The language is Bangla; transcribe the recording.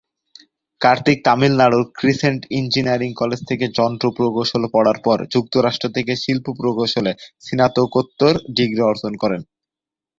কার্তিক তামিলনাড়ুর ক্রিসেন্ট ইঞ্জিনিয়ারিং কলেজ থেকে যন্ত্র প্রকৌশল পড়ার পর যুক্তরাষ্ট্র থেকে শিল্প প্রকৌশলে স্নাতকোত্তর ডিগ্রি অর্জন করেন।